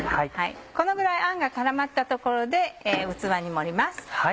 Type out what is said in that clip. このぐらいあんが絡まったところで器に盛ります。